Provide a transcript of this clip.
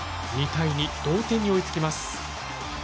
２対２同点に追いつきます。